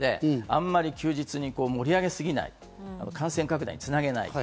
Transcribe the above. あんまり休日に無理やりすぎない、感染拡大につなげない。